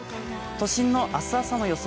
都心の明日朝の予想